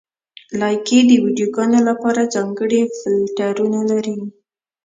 لایکي د ویډیوګانو لپاره ځانګړي فېلټرونه لري.